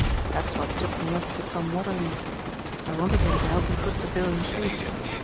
That's what took me up to Tom Watterly's; I wanted him to help me put the bill in shape.